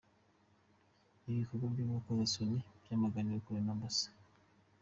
Ibi bikorwa by’urukozasoni byamaganiwe kure na Amb.